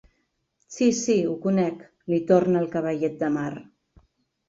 Sí, sí, ho conec —li torna el cavallet de mar.